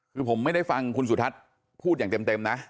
คือผมไม่ได้ฟังคุณสุทัศน์พูดอย่างเต็มนะ